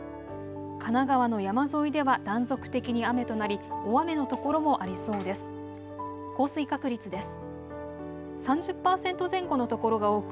神奈川の山沿いでは断続的に雨となり大雨の所もありそうです。